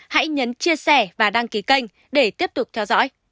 hãy nhấn chia sẻ và đăng ký kênh để tiếp tục theo dõi